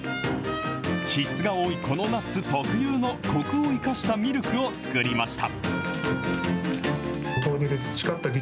脂質が多いこのナッツ特有のこくを生かしたミルクを作りました。